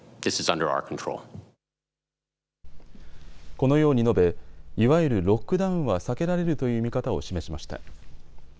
このように述べいわゆるロックダウンは避けられるという見方を示しました。